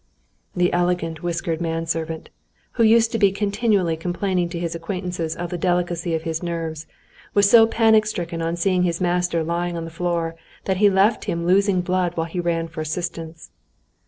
The elegant, whiskered manservant, who used to be continually complaining to his acquaintances of the delicacy of his nerves, was so panic stricken on seeing his master lying on the floor, that he left him losing blood while he ran for assistance.